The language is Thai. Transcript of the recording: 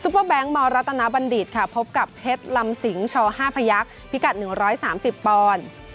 เปอร์แบงค์มรัตนบัณฑิตค่ะพบกับเพชรลำสิงช๕พยักษ์พิกัด๑๓๐ปอนด์